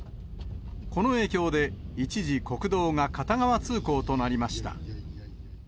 この影響で一時、国道が片側通行となりました。